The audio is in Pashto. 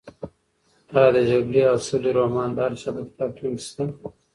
ایا د جګړې او سولې رومان د هر چا په کتابتون کې شته؟